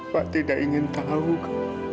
pak tidak ingin tahu